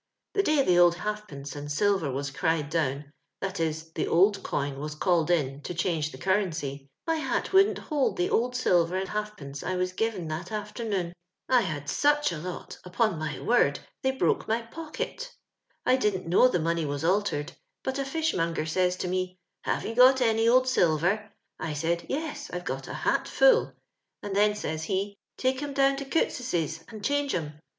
The day the old halijponce and silver was cried down, that is, the old coin was called in to change the currency, my hat wouldn't hold the old silver and half pence I was give that afternoon. I had tuck a 40S LONDOX LABOUR AND THE LONDON POOR. loU upon my word, Uiey broke my iMxsket. I didn't kuow the money was altered, but a fish monger saya to mo, ' Have you got any old ailver ?• I said * Yes, Ivo pot a hat full ;" and then says he, * Take 'cm tlown to Couttscsos and change 'em.'